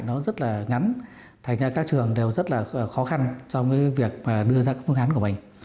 nó rất là ngắn thành ra các trường đều rất là khó khăn trong cái việc mà đưa ra các phương án của mình